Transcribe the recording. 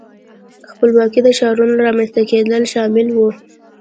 خپلواکو ښارونو رامنځته کېدل شامل وو.